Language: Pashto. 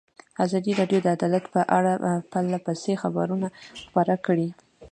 ازادي راډیو د عدالت په اړه پرله پسې خبرونه خپاره کړي.